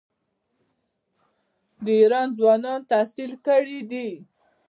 د ایران ځوانان تحصیل کړي دي.